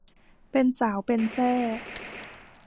เป็นสาวเป็นแส้